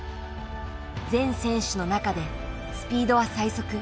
全選手の中でスピードは最速。